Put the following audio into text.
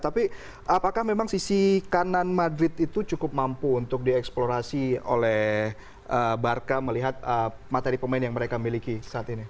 tapi apakah memang sisi kanan madrid itu cukup mampu untuk dieksplorasi oleh barka melihat materi pemain yang mereka miliki saat ini